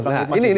nah ini kan